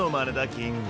キング。